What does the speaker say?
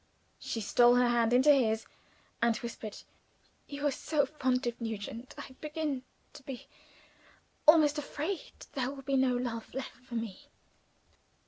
She stole her hand into his, and whispered, "You are so fond of Nugent I begin to be almost afraid there will be no love left for me."